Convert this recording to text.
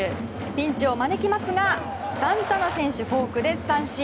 ピンチを招きますがサンタナ選手、フォークで三振。